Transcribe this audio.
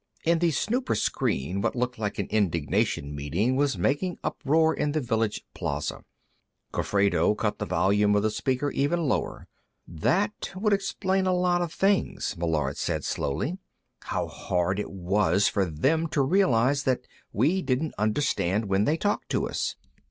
In the snooper screen, what looked like an indignation meeting was making uproar in the village plaza. Gofredo cut the volume of the speaker even lower. "That would explain a lot of things," Meillard said slowly. "How hard it was for them to realize that we didn't understand when they talked to us.